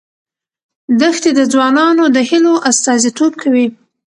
دښتې د ځوانانو د هیلو استازیتوب کوي.